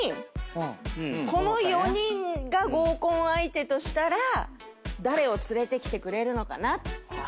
この４人が合コン相手としたら誰を連れてきてくれるのかな。